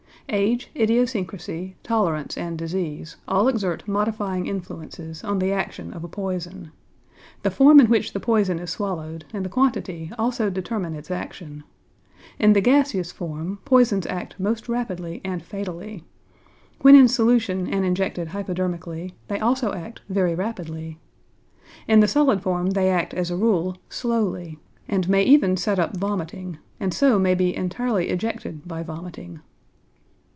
Age, idiosyncrasy, tolerance, and disease, all exert modifying influences on the action of a poison. The form in which the poison is swallowed and the quantity also determine its action. In the gaseous form, poisons act most rapidly and fatally. When in solution and injected hypodermically, they also act very rapidly. In the solid form they act as a rule slowly, and may even set up vomiting, and so may be entirely ejected by vomiting.